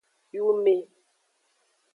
Yume.